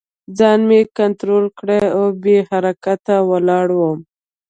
ځان مې کنترول کړی و او بې حرکته ولاړ وم